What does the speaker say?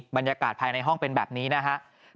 บรรยากาศภายในห้องเป็นแบบนี้นะฮะ